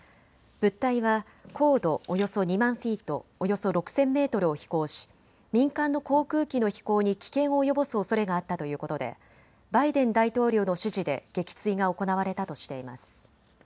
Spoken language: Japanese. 物体は高度およそ２万フィート、およそ６０００メートルを飛行し民間の航空機の飛行に危険を及ぼすおそれがあったということでバイデン大統領の指示で撃墜が行われたとしています。